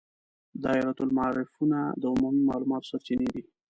دایرة المعارفونه د عمومي معلوماتو سرچینې دي.